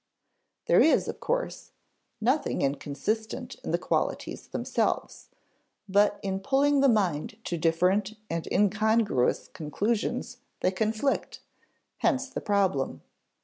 There is, of course, nothing inconsistent in the qualities themselves; but in pulling the mind to different and incongruous conclusions they conflict hence the problem.